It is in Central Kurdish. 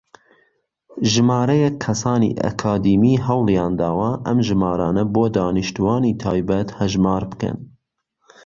ژمارەیەک کەسانی ئەکادیمی هەوڵیانداوە ئەم ژمارانە بۆ دانیشتووانی تایبەت هەژمار بکەن.